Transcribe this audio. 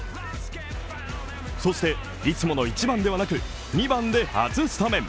そしていつもの１番ではなく２番で初スタメン。